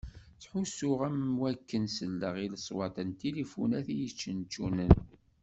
Ttḥussuɣ am wakken selleɣ i leṣwat n tilifunat i yeččenčunen.